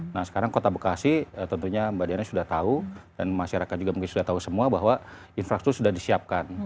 nah sekarang kota bekasi tentunya mbak diana sudah tahu dan masyarakat juga mungkin sudah tahu semua bahwa infrastruktur sudah disiapkan